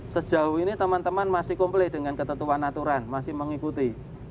sejauh ini teman teman masih komplain dengan ketentuan aturan masih mengikuti